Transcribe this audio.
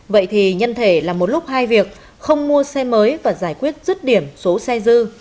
vậy thì nhân thể là một lúc hai việc không mua xe mới và giải quyết rứt điểm số xe dư